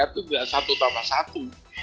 mereka itu tidak satu tambah satu